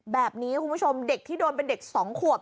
แบบนี้คุณผู้ชมเด็กที่โดนเป็นเด็ก๒ขวบ